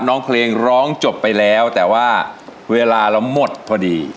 น้องเพลงร้องจบไปแล้วแต่ว่าเวลาเราหมดพอดี